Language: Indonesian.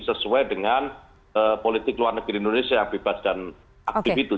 sesuai dengan politik luar negeri indonesia yang bebas dan aktif itu